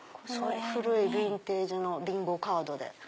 古いビンテージのビンゴカードで。